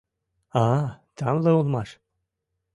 А-а, тамле улмаш!